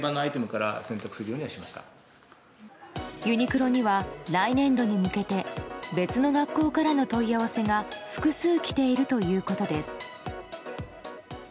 ユニクロには来年度に向けて別の学校からの問い合わせが複数、来ているということです。